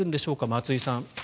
松井さん。